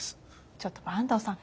ちょっと坂東さん